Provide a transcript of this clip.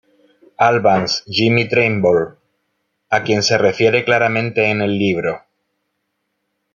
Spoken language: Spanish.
Albans, Jimmie Trimble, a quien se refiere claramente en el libro.